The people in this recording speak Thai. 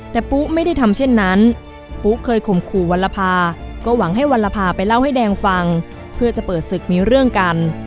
แต่ปุ๊ไม่ได้ทำเช่นนั้นปุ๊เคยข่มขู่วรภาก็หวังให้วัลภาไปเล่าให้แดงฟังเพื่อจะเปิดศึกมีเรื่องกัน